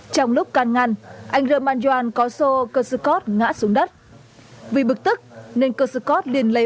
trong lúc can ngăn anh rơ ma doan có xô cơ sơ cót ngã xuống đất vì bực tức nên cơ sơ cót liền lấy